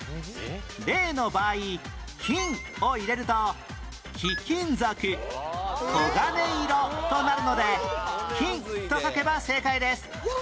例の場合「金」を入れると貴金属黄金色となるので「金」と書けば正解です